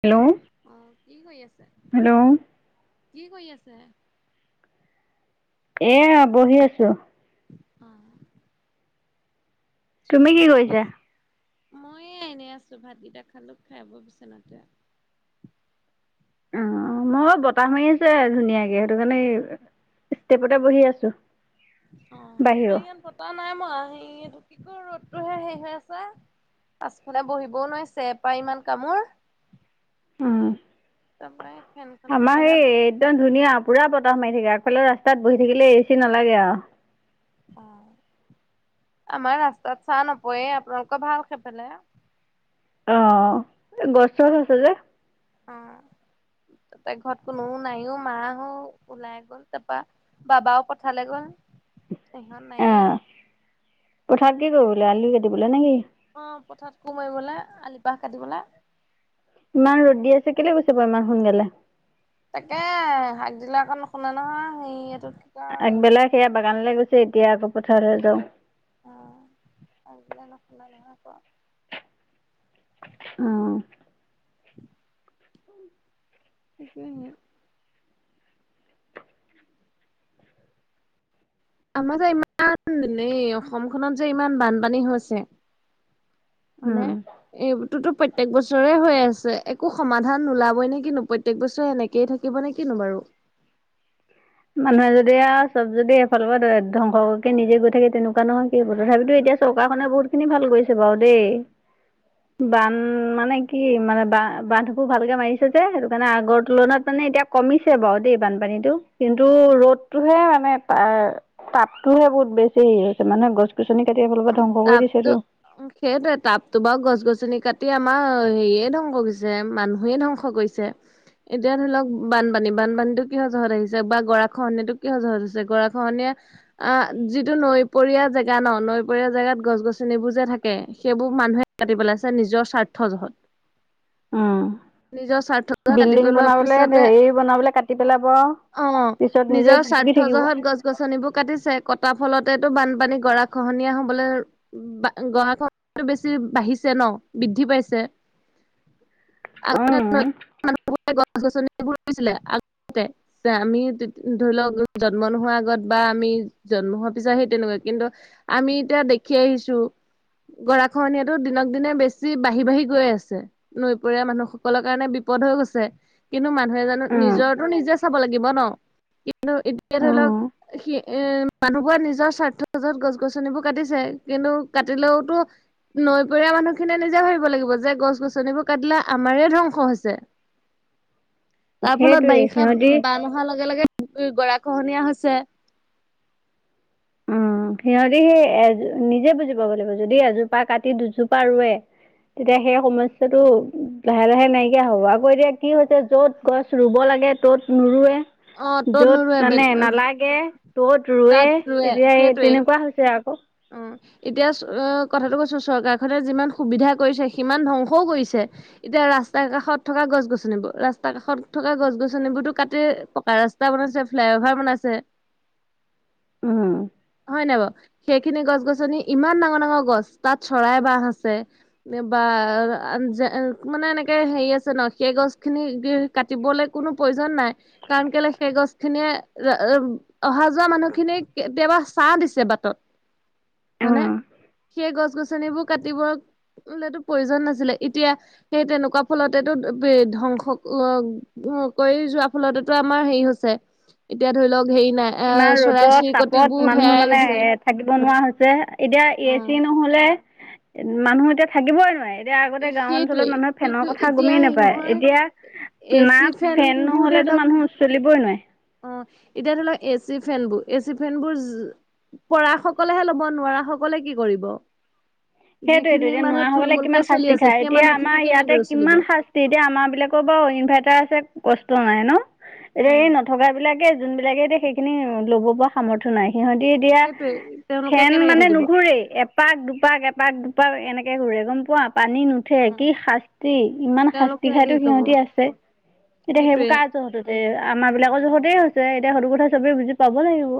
Hello অ কি কৰি আছে হেল্ল'। কি কৰি আছে? এয়া বহি আছো। অ'। তুমি ছোৱালীজনী কি কৰিছা? কৰিছে? মইে এনে আছো ভাতকেইটা খালো খাইব বিচনা তে। অ', মই বতাহ মাৰি আছে ধুনীয়াকে সেইটো কাৰণে ষ্টেপতে বহি আছো। অ', আমাৰ বাহিৰৰ। ইয়াত বতাহ নাই মৰা স কি কৰ ৰ'দটোহে হেৰি হৈ আছে। পাছফালে বহিবও নোৱাৰিছে এপাই ইমান কামোৰ। উম, তাৰপৰা ফেনখনকে আমাৰ লগাই হেই একদম অ ধুনীয়া পুৰা বতাহ মাৰি থাকে আ আগফালৰ ৰাস্তাত বহি থাকিলে এ চি নালাগে আৰু। অ'। আমাৰ ৰাস্তাত চাহ নপয়ে আপোনালোকৰ ভাল খেফালে। অ', গছ চছ আছে যে। অ'। তাতে ঘৰত কোনো নাইও মাহো ওলাই গ'ল তাৰপৰা বাবাও পঠালে গ'ল। সমান নাই অ' [unintelligible] অ', পথত সোমাৰ গ'লে আলি পাহ কাটিবলে। চাকিল গৈছে প ইমান সোনকালে তাকে শাক দিলে আকৌ নুশুনা নহয় সেইটো আগবেলা সেয়া বাগানলৈ গৈছে এতিয়া আকৌ পথাৰলৈ যাওঁ। [unintelligible] অ'। [unintelligible] আমাৰ যে ইমান এ অসমখনত যে ইমান বানপানী হৈছে। মানে উম। এইটোোতো প্ৰত্যেক বছৰে হৈ আছে। একো সমাধান নোলাবই নে কিনো প্ৰত্যেক বছৰে এনেকে থাকিব নে কিনো বাৰু। [inaudible] মানুহে যদি আৰু চব যদি এফালৰ পৰা ধ্বংসকে নিজে গৈ থাকে তেনেকুৱা নহয় কি তথাপিতো এতিয়া চৰকাৰখনে বহুত খিনি ভাল কৰিছে বাৰু দেই। বান মানে কি মানে বান-বান্ধবোৰ ভালকে মাৰিছে যে, সেইটো কাৰণে আগৰ তুলনাত মানে মানে এতিয়া কমিছে বাৰু দেই বানপানীটো। কিন্তু ৰ'দতটোহে মানে তাৰ তাপতটোহে বহুত বেছি হেৰি হৈছে মানে গছ-গছ অ', তাপতো সেইটোৱে তাপতটো বাও গছ-গছনি কাটি টি আমাৰ হেৰিয়ে ধ্বংস কৰিছে, মানুহে ধ্বংস কৰিছে। এতিয়া ধৰি লওঁক বানপানী, বানপানীতো কিহ জহত আহিছে বা গৰাখহনীয়াটো কিহ জহত আহিছে? গৰাখহনীয়া অ' যিটো নৈপৰীয়া জেগা ন নৈ দুপৰীয়া জেগাত গছ গছনিবোৰ যে থাকে, সেইবোৰ মানুহে কাটি পেলাইছে নিজৰ স্বাৰ্থ জহত। উম, নিজৰ স্বাৰ্থ কাটি বিল্ডিং পেলোৱাৰ বনাবলে, পিছতে হেৰি বনাবলে কাটি পেলাব। অ' পিছত নিজে নিজৰ ভুগি স্বাৰ্থ থাকিব জহত গছ গছনিবোৰ কাটিছে, কটা ফলতে টো বানপানী গৰা খহনীয়া হ বোলে [unintelligible] বেছি বাঢ়িছে ন বৃদ্ধি পাইছে। অঁ আগতে [unintelligible] আমি ধৰি লওক জন্ম নোহোৱাৰ আগত বা আমি জন্ম হোৱাৰ পিছত সেই তেনেকুৱা কিন্তু আমি এতিয়া দেখি আহিছো গৰাখনিয়াতটো দিনক দিনে বেছি বাঢ়ি বাঢ়ি গৈ আছে। দুপৰীয়া মানুহসকলৰ কাৰণে বিপদ হৈ গৈছে কিন্তু মানুহ এ জানো, অঁ নিজৰৰতো নিজে চাব লাগিব ন কিন্তু এতিয়া ধৰি লওক অঁ সি এ মানুহবোৰে নিজৰ স্বাৰ্থত গছ গছনিবোৰ কাটিছে কিন্তু কাটিলেওতো নৈপৰীয়া মানুহ খিনিয়ে নিজে ভাবিব লাগিব যে গছ গছনিবোৰ কাটিলে আমাৰে ধ্বংস হৈছে। তাৰ ফলত সেইটোৱে বাৰিষা সিহঁতি বান অহাৰ লগে লগে উ গৰা খহনীয়া হৈছে। উম সিহঁতি সেই এজ নিজে বুজি পাৱ লাগিব, যদি এজোপা কাটি দুজোপা ৰোৱে। তেতিয়া সেই সমস্যাটো লাহে লাহে নাইকিয়া হব। আকৌ এতিয়া কি হৈছে যত গছ ৰুব লাগে লাগে ত'ত নোৰৱে অ' ত'ত য'ত নোৰুৱে বেল মানে নালাগে ত'ত ৰৱে। তাত ৰুৱে এতিয়া এই সেইটোৱেই। তেনেকুৱা হৈছে আকৌ অ' এতিয়া কথাটো কৈছো চৰকাৰখনে যিমান সুবিধা কৰিছে সিমান ধ্বংসও কৰিছে। এতিয়া ৰাস্তা কাষত থকা গছ গছনিবোৰ, ৰাস্তা কাষত থকা গছ গছনিবোৰতো কাটিয়ে পকা ৰাস্তা বনাইছে, ফ্লাই অভাৰ বনাইছে উম হয় নাই বাৰু? এই খিনি গছ গছনি ইমান ডাঙৰ ডাঙৰ গছ, তাত চৰাই বাহ আছে বা মানে এনেকে হেৰি আছে ন সেই গছ খিনি কাটিবলৈ কোনো প্ৰয়োজন নাই কাৰণ [unintelligible] সেই গছখিনিয়ে [unintelligible] অহা-যোৱা মানুহখিনিয়ক কেতিয়াবা ছাহ দিছে বাটত। হয়নে? অ সেই গছ-গছনিবোৰ কাটিবলেতো প্ৰয়োজন নাছিলে। এতিয়া সেই তেনেকুৱা ফলতে [unintelligible] ধ্বংস অ-অ কৰি যোৱাৰ ফলতেটো আমাৰ হেৰি হৈছে এতিয়া ধৰি লওক হেৰি নাই, ইমান এ ৰ'দত তাপত চৰাই-চিৰিকটিবোৰ মানুহ হেয়াই মানে গেছে। এ থাকিব নোৱাৰা হৈছে। এতিয়া এ চি নহ'লে মানুহ এতিয়া থাকিবই নোৱাৰে। এতিয়া আগতে গাওঁ অঞ্চলত সেইটোৱে মানুহে কিন্তু ফেনৰ কথা এতিয়া গমেই হেৰি নাপায়। নহয় এ এতিয়া না চি ফেন ফেনবোৰ ধৰি নহ'লে লওক মানুহ চলিবই নোৱাৰে। অ এতিয়া ধৰি লওঁক এ চি, ফেনবোৰ-এ চি, ফেনবোৰ যি পৰা সকলেহে ল'ব, নোৱাৰা সকলে কি কৰিব? সেইটোয়েটো যিখিনি এতিয়া মানুহ নোৱাৰাসকলে থুলমূলকে কিমান চলি শাস্তি আছে খায়। সেই এতিয়া মানুহখিনি আমাৰ ইয়াতে কেনেদৰে চলিব কিমান শাস্তি, এতিয়া আমাৰ বিলাকৰ বাৰু ও ইনভাৰ্টাৰ আছে কষ্ট নাই ন, এতিয়া উম এই নথকা বিলাকে যোনবিলাকে এতিয়া সেইখিনি ল'ব পৰা সামৰ্থয় নাই সিহঁতি এতিয়া সেইটোৱে তেওঁলোকে ফেন কেনেকে মানে থাকিব নুঘূৰেই এপাক-দুপাক-এপাক এপাক-দুপাৰ এনেকে ঘূৰে গম পোৱা? পানী নুঠে। কি শাস্তি ইমান তেওঁলোক শাস্তি কেনেকে খাইো শিকাব সিহঁতি আছে। এতিয়া সেইবোৰ সেইটোৱে কাৰ জৰহতে হৈছে? আমাৰ বিলাকৰ জোহতেই হৈছে, এতিয়া সেইটো কথা চবে বুজি পাব লাগিব।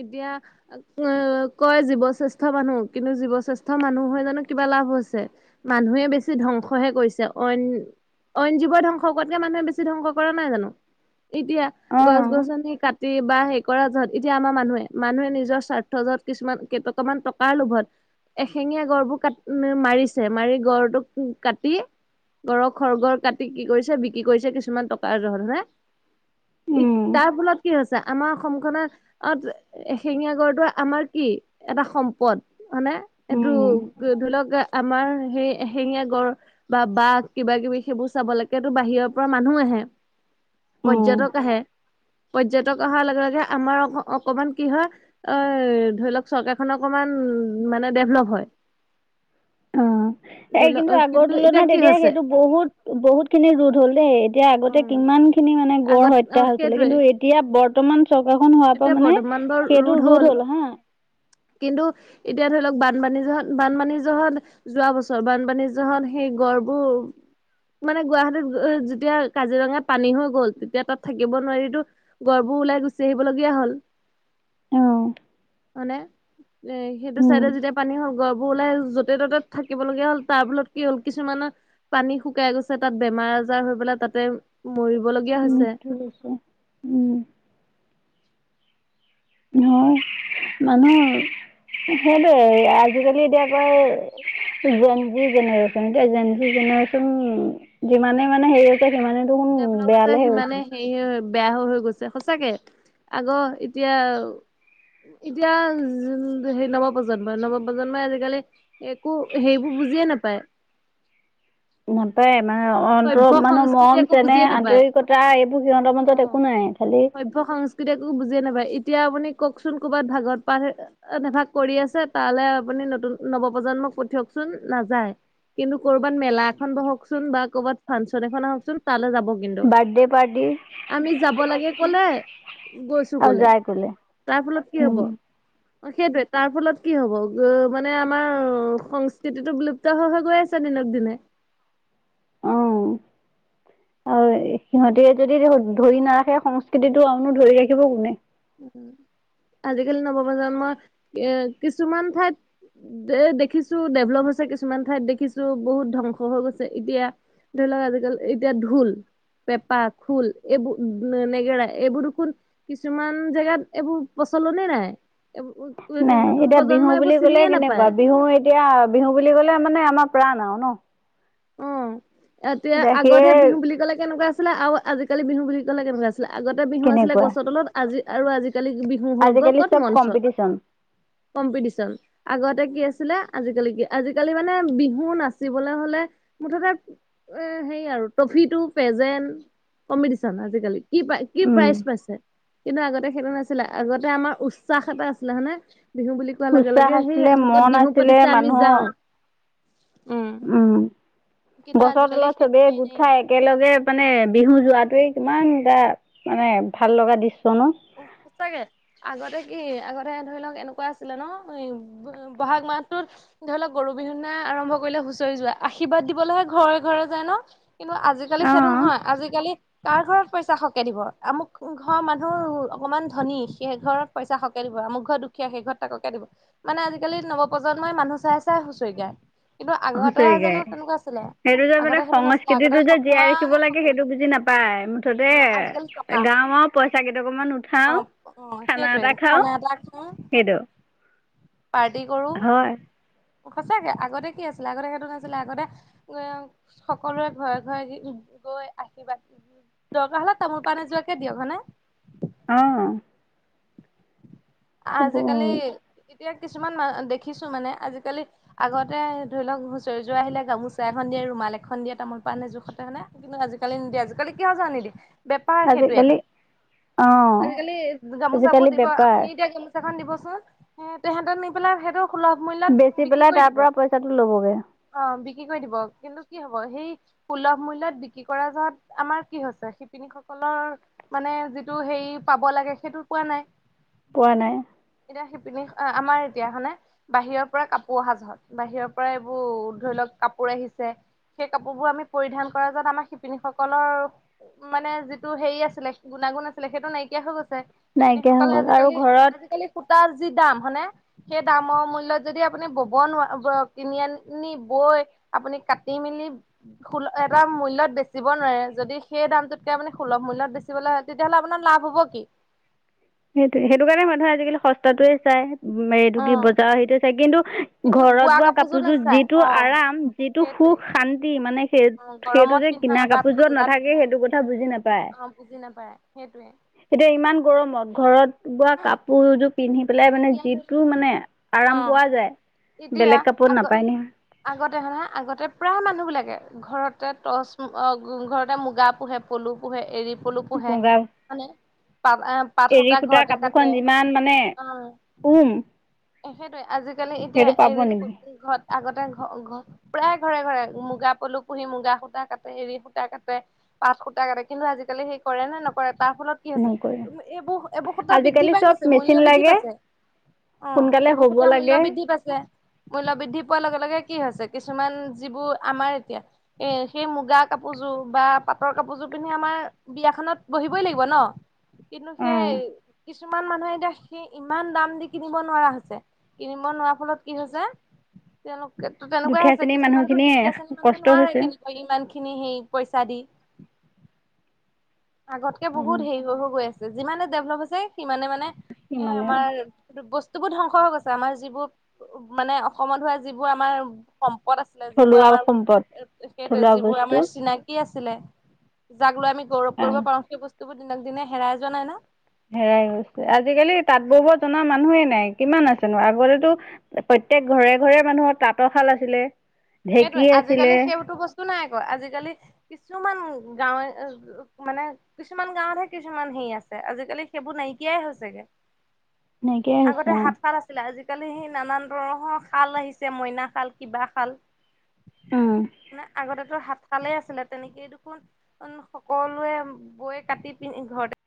এতিয়া অ', কয় জীৱশ্ৰেষ্ঠ মানুহ, কিন্তু জীৱশ্ৰেষ্ঠ মানুহ হয় জানো কিবা লাভ হৈছে। মানুহে বেছি ধ্বংসহে কৰিছে অইন অইন জীৱৰ ধ্বংস কৰাতকে মানুহে বেছি ধ্বংস কৰা নাই জানো‌‌‍? এতিয়া অ গছ-গছনি কাটি বা হেই কৰা যত এতিয়া আমাৰ মানুহে, মানুহে নিজৰ স্বাৰ্থ য'ত কিছুমান কেইটকামান টকাৰ লোভত এশেঙীয়া গড়বোৰ কাট মাৰিছে, মাৰি গড়টোক কাটি গড়ৰ খৰ্গৰ কাটি কি কৰিছে, বিক্ৰী কৰিছে কিছুমান টকাৰ জহত হে ই উম তাৰ ফলত কি হৈছে? আমাৰ অসম খনে অ', এশিঙীয়া গড়টোৰ আমাৰ কি? এটা সম্পদ। মানে এইটো উম ধৰি লওঁক গে আমাৰ সেই এশিঙীয়া গড় বা বাঘ কিবা-কিবি সেইবোৰ চাবলৈকেটো বাহিৰৰ পৰা মানুহ আহে। উম পৰ্যটক আহে, পৰ্যটক অহাৰ লগে লগে আমাৰ অস অকমান কি হয় অ, ধৰি লওক চৰকাৰখন অকমান মানে ডেভলপ হয়। [inaudible] অ ধৰি এই কিন্তু লওক আগৰ তুলনাত কি এতিয়া হৈছে সেইটো বহুত বহুত খিনি ৰোধ হ'ল দেই এতিয়া আগতে উম কিমান খিনি মানে গড় আগত অ হত্যা হৈছিলে সেইটোৱে কিন্তু এতিয়া বৰ্তমান চৰকাৰখন হোৱা এতিয়া বৰ্তমান বাৰু ৰোধ হ'ল কিন্তু এতিয়া এতিয়া ধৰি লওঁক বানপানী য'ত বানপানী জহত যোৱা বছৰ বানপানী জহত সেই গড়বোৰ মানে গুৱাহাটীত যেতিয়া কাজিৰঙাত পানী হৈ গ'ল তেতিয়া তাত থাকিব নোৱাৰি‌ গড় ওলাই গুচি আহিবলগীয়া হ'ল অ'। মানে এ সেইটো উম চাইডে যেতিয়া পানী হওঁক গছবোৰ ওলাই য'তে ত'তে থাকিব লগ। গীয়া হ'ল, তাৰ ফলত কি হ'ল কিছুমানৰ পানী শুকাই গৈছে, তাত বেম বেমাৰ আজাৰ হৈ পেলাই তাতে মৰিবলগীয়া হৈছে। কৈছোঁ। [inaudible] নহয় মানে সেইটোৱে আজিকালি এতিয়া কয় জেনজি জেনেৰেচন, এতিয়া জেনজি জেনেৰেচন যিমানে মানে হেৰি হৈছে সিমানে দেখোন ডেভলপ হৈছে বেয়ালেহে সিমানেই হেৰি হে হৈ বেয়া হৈ হৈ গৈছে সঁচাকে আগ' এতিয়া এতিয়া নৱপ্ৰজন্মই, নৱপ্ৰজন্মই আজিকালি একো সেইবোৰ বুজিয়ে নাপায়। নাপায় মা অন্ত সভ্য মানহ সংস্কৃতি মৰম, একো চেনেহ, বুজিয়ে নাপায়। আন্তৰিকতা এইবোৰ সিহঁতৰ মাজত একো নাই, খালি সভ্য সংস্কৃতি একো বুজিয়ে নাপায়। এতিয়া আপুনি কওকচোন ক'বাত ভাগৱত পাঠ, নেভাগ কৰি আছে তালৈ আপুনি নতুন নৱপ্ৰজন্মই পঠিয়ক চোন নাযায়, কিন্তু কৰবাত মেলা এখন বহকচোন বা ক'ৰবাত ফাংচন এখন আহকচোন তালৈ যাব কিন্তু। বাৰ্থডে পাৰ্ট আমি যাব লাগে ক'লে, গৈছোঁ আৰু গ'লে। যাই কলে তাৰ ফলত কি হ'ব? উম অ', সেইটোৱে তাৰ ফলত কি হ'ব মানে আমাৰ সংস্কৃতিটো বিলুপ্ত হৈ গৈ আছে নে দিনক দিনে। অহ। আৰু সিহঁতে যদি ধৰি নাৰাখে সংস্কৃতিটো আনো ধৰি ৰাখিব কোনে? উম, আজিকালি নৱপ্ৰজন্মই এ কিছুমান ঠাইত এ দেখিছো ডেভলপ হৈছে কিছুমান ঠাইত দেখিছো বহুত ধ্বংস হৈ গৈছে এতিয়া ধৰি লওক আজিকাল এতিয়া ঢোল পেপা, খোল এইবোৰ নেগেৰা এইবোৰ দেখোন কিছুমান জেগাত এইবোৰ প্ৰচলনে নাই, এইবোৰ হেৰি নাই নতুন এতিয়া বিহু প্ৰজন্মই এইবোৰ বুলি কলে চিনিয়ে কেনেকুৱা, নাপায়। বিহু এতিয়া বিহু বুলি ক'লে মানে আমাক প্ৰাণ আও ন? অহ, এতিয়া আগতহে বিহু বুলি ক'লে কেনেকুৱা আছিলে, আৰু আজিকালি বিহু বুলি কলে কেনেকুৱা আছ আগতে বিহু আছিলে কেনেকুৱা গছৰ তলত, আজি আৰু আজি আজি কালি বিহু হৈ গ'ল আজিকালি ক'ত চব মঞ্চত, কম্পিটিচন কম্পিটিশন আগত তে কি আছিলে আজিকালি কি আজিকালি মানে বিহু নাচিবলে হ'লে মুঠতে এ হেৰি আৰু ট্ৰফিটো পেজেন কম্পিটিচন আজিকালি। কি প্ৰাইজ কি উম প্ৰাইজ পাইছে। কিন্তু আগতে সেইটো নাছিলে আগতে আমাৰ উচ্ছাস এটা আছিলে, হয়নে? বিহু বুলি কোৱা লগে উৎসাহ লগে সেই আছিলে মন আমুকত বিহু আছিলে পাতিছে আমি মানুহৰ যাওঁ। উম। কিন্তু গছৰ আজিকালি তলত চবেই সেইটোৱে গোট নাই। খাই একেলগে মানে বিহু অ যোৱাতোৱে কিমান গা মানে ভাল লগা দৃ অ সচাকে আগতে কি আগতে ধৰি লওঁক এনেকুৱা আছিলে ন উ ব'হাগ মাহটোত ধৰি লওঁক গৰু বিহু দিনা আৰম্ভ কৰিলে হুঁচৰি যোৱা আশীৰ্বাদ দিবলৈ ঘৰে ঘৰে যায় ন কিন্তু আজিকালি সেইটো নহয় আজিকালি কাৰ ঘৰত পইচা সৰহকে দিব আমুক ঘৰ মানুহ অকণমান ধনী সেই ঘৰত পইচা সকে দিব আমুক ঘৰ দুখীয়া সেই ঘৰত তাকৰ কে দিব মানে আজিকালি নৱপ্ৰজন্ম মই মানুহ চাই চাই হুঁচৰি গাই হুঁচৰি গাই সেইটো যে আগতে মানে সেইটো নাছিলে আগতে সংস্কৃতিটো যে জীয়াই ৰাখিব সমানে লাগে সকলো সেইটো বুজি নাপায় মুঠতে অ আজিকালি টকা গাঁৱৰ পইচা কেইটা অকমান অ উঠাও অ খানা সেইটোৱে এটা খাওঁ খানা এটা খাওঁ সেইটো পাৰ্টি কৰোঁ হয় সঁচাকে আগতে কি আছিলে আগতে সেইটো নাছিলে আগতে উ সকলোৰে ঘৰে ঘৰে কি গৈ আশীৰ্বাদ দৰকাৰ হ'লে তামোল পানে এজোৰকে দিয়ক হয়নে অহ আজিকালি এতিয়া কিছুমান দেখিছোঁ মানে আজিকালি আগতে ধৰি লওঁক হুঁচৰি যোৱা আহিলে গামোচা এখন দিয়া ৰুমাল এখন দিয়া তামোল পাণ জোখতে হয়নে কিন্তু আজিকালি নিদিয়ে আজিকালি কিয় এইজো আনিলি নেপাওঁ সেইটো আজিকালি এটা অঁ আজিকালি গামোচাবোৰ আজিকালি দিব বেপাৰ গামোচা এখন দিবচোন সেয়েতে সেয়েতে নি পেলাই সেইটো সুলভ মূল্যত বেচি বিক্ৰী পেলাই কৰি তাৰ দিব পৰা পইচাটো ল'বগৈ অ বিক্ৰী কৰি দিব কিন্তু কি হ'ব সেই সুলভ মূল্যত বিক্ৰী কৰা য'ত আমাৰ কি হৈছে শিপিনীসকল অ মানে যিটো হেৰি পাব লাগে সেইটো পোৱা নাই পোৱা নাই। এতিয়া শিপিনী আমাৰ এতিয়া মানে বাহিৰৰ পৰা কাপোৰ অহা য'ত বাহিৰৰ পৰা এইবোৰ ধৰি লওঁক। কাপোৰ আহিছে। সেই কাপোৰবোৰ আমি পৰিধান কৰা যাত আমাৰ শিপিনীসকলৰ মানে যিটো হেৰি আছিলে গুণা ণাগুণ নাছিলে সেইটো নাইকিয়া হৈ গৈছে নাইকিয়া হৈ শিপিনীসকলে গ'ল আৰু আজিকালি ঘৰত আজিকালি শিত তাৰ যি দাম হায়নে সেই দামৰ মূল্যত যদি আপুনি বব নোৱ কিনি আ নি ঐ আপুনি কাটি মেলি এটা মূল্যত বেচিব নোৱাৰে যদি সেই দামটোতকে আপু সুলভ মূল্যত বেচিবলৈ, তেতিয়াহ'লে আপোনাৰ লাভ হ'ব কি? সেইটোৱে, সেইটো কাৰণে মানুহে আজিকালি সস্তাটোৱে চাই। উম, এইটো কি অ বজাৰ সেইটো চাগ কিন্তু কিন্তু ঘৰত বোৱা কাপোৰযোৰ নাচায় যিটো অ', আৰাম, যিটো সেইটোৱে। সুখ শান্তি মানে সেই অ', সেইটো গৰমত যে পিন্ধা কিনা বা কাপোৰ জোৰত ঠাণ্ডাত নাথাকে পিন্ধা সেইটো কথা বুজি অ', বুজি নাপায় সেইটোৱে। এতিয়া ইমান গৰমত ঘৰত বোৱা কাপোৰযো পিন্ধি পেলাই মানে এতিয়া ধৰি যিটো লওক মানে আৰাম অ পোৱা যায় এতিয়া বেলেগ কাপোৰত আগ নাপায় নহয় আগতে হলেহে আগতে প্ৰায় মানুহ বিলাকে ঘৰতে টৰ্চ ঘৰতে মুগা পোহে পলু পোহে এী কলো পোহে বগা মানে পাত অহ পাত এৰী সূতা সূতাৰ ঘৰতে কাপোৰখন কাটে যিমান মানে অ উম সেইটয়ে আজিকালি এতিয়া সেইটো এই পাব নেকি ঘৰত আগতে ঘ ঘ প্ৰায় ঘৰে ঘৰে মুগা পলু পুহি মুগা সূতা কাট এৰি সূতা কাটে আঠ সুতা কাটে কিন্তু আজিকালি সেই কৰে নে নকৰে তাৰ ফলত কি আ নকৰে হৈছে এইব এবসুতা বৃদ্ধি আজিকালি পাই চব গৈছে মেচিন মূল্য বৃদ্ধি লাগে পাইছে অ সোনকালে এইবোৰ হ'ব কতে মূল্য লাগে বৃদ্ধি পাইছে মূল্য বৃদ্ধি পোৱাৰ লগে লগে কি হৈছে কিছুমান যিবোৰ আমাৰ এতিয়া এ সেই মুগা কাপোৰযোৰ বা পাটৰ কাপ কাপৰযোৰ পিন্ধি আমাৰ বিয়া খনত বহিবই লাগিব ন কিন্তু অঁ সেই কিছুমান মানুহে এতিয়া সেই ইমান দাম দি কিনিব নোৱাৰা হৈছে কিনিব নোৱাৰা ফলত কি হৈছে তেওঁলোক তো তেনেকুৱাই আ দুখীয়া হৈছে শ্ৰেণীৰ কিছুমানতো মানুহখিনিয়ে তুকীয়া শ্ৰেণী মানুহে কষ্ট নোৱাৰে হৈছে। কেনেকুৱা ইমান খিনি সেই পইচা দি আগতকে বহুত উম, হেৰি হৈ গৈ আছে যিমানে [unintelligible] বু ইমানে ধ্বংস গ আছে আমাৰ যিবোৰ উ মানে অসমত হোৱা যিবোৰ আমাৰ ত আছিলে যিবোৰ থলুৱা আমাৰ সম্পদ সেইটোৱে থলুৱা যিবোৰ বস্তু আমাৰ চিনাকি আছিল ছিল যাক লৈ আমি গৌৰৱ কৰিব আহ পাৰো সেই বস্তুবোৰ দিনক দিনে হেৰাই যোৱা নাই না হেৰাই গৈছে আজিকালি তাঁত বহব জনা মানুহেই নাই কিমান আছেনো আগতেতো প্ৰ প্ৰত্যেক ঘৰে ঘৰে মানুহৰ তাঁতৰশাল আছিলে সেইটোৱে ঢেঁকী আছিলে আজিকালি সেইতো বস্তু বস্তু নাই আকৌ আজিকালি কিছুমান গাঁৱে মানে কিছুমান গাঁৱতহে কিছুমান আজালি সেইবোৰ নাইকিয়াই হৈছেগে এনেকেই হৈছে আগতে অ'। হাত ফাল আছিলে আজিকালি সেই নানান ধৰণৰ খাল আহিছে মইনা খাল কিবা খাল উম, মানে আগতেতো হাত ঠালে আছিলে তেনেকেই দেখোন উম সকলোৱে বৈ কাটি পিনন্ ঘৰতে